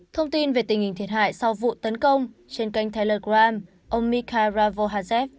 thông tin về tình hình thiệt hại sau vụ tấn công trên kênh telegram ông mikhail ravohazev